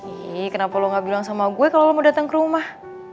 ih kenapa lo gak bilang sama gue kalau lo mau datang ke rumah